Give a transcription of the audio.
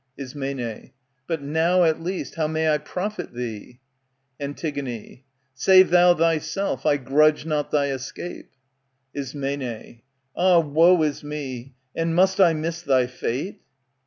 Ism, But now, at least, how may I profit thee ? Antig, Save thou thyself I grudge not thy escape. Ism. Ah, woe is me ! and must I miss thy fate